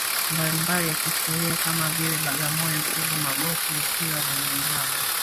mbalimbali ya kihistoria kama vile Bagamoyo Pugu Magofu ya Kilwa na milimani